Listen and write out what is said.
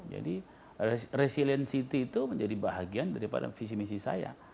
jadi resiliensi itu menjadi bahagian daripada visi misi saya